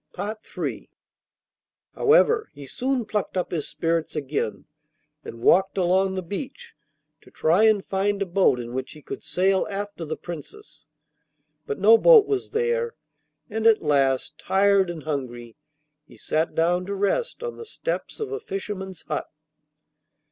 III However, he soon plucked up his spirits again, and walked along the beach to try and find a boat in which he could sail after the Princess. But no boat was there, and at last, tired and hungry, he sat down to rest on the steps of a fisherman's hut.